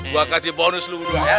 gue kasih bonus dulu ya